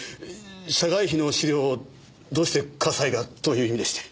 社外秘の資料をどうして笠井がという意味でして。